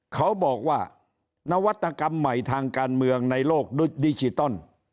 เขาบอกว่านวัตกรรมใหม่ทางการเมืองในโลกด้วยดิจิตอล